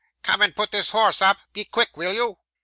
Come and put this horse up. Be quick, will you!